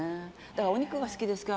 お肉が好きですか？